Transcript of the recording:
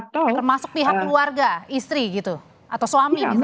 termasuk pihak keluarga istri gitu atau suami misalnya